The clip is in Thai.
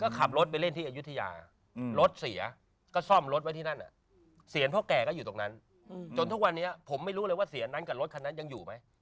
ก็ขับรถไปเล่นที่อายุทยารถเสียก็ซ่อมรถไว้ที่นั่นเสียงพ่อแก่ก็อยู่ตรงนั้นจนทุกวันนี้ผมไม่รู้เลยว่าเสียนนั้นกับรถคันนั้นยังอยู่ไหม